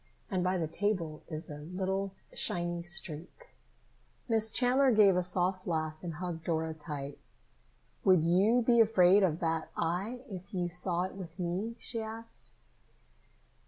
And by the table is a little shiny streak." Miss Chandler gave a soft laugh and hugged Dora tight. "Would you be afraid of that eye if you saw it with me?" she asked.